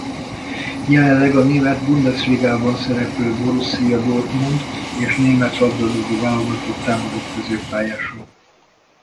Jelenleg a német Bundesliga-ban szereplő Borussia Dortmund és a német labdarúgó-válogatott támadó középpályása.